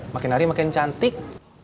makin hari makin cantik